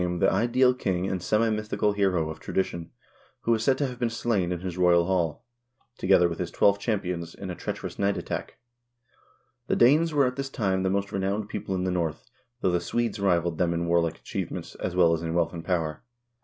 THE MIGRATIONS 31 the ideal king and semi mythical hero of tradition, who is said to have been slain in his royal hall, together with his twelve champions, in a treacherous night attack.1 The Danes were at this time the most renowned people in the North, though the Swedes rivaled them in warlike achievements, as well as in wealth and power.